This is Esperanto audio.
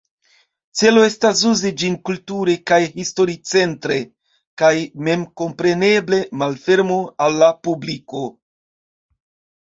Celo estas uzi ĝin kulture kaj historicentre kaj memkompreneble malfermo al la publiko.